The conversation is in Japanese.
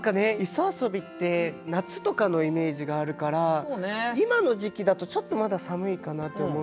磯遊って夏とかのイメージがあるから今の時期だとちょっとまだ寒いかなと思うんですけど。